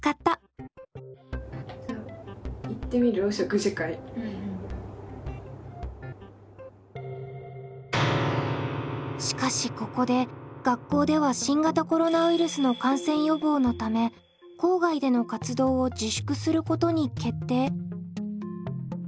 高校生でもしかしここで学校では新型コロナウイルスの感染予防のため校外での活動を自粛することに決定。